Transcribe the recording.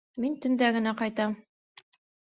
Мин төндә генә ҡайтам.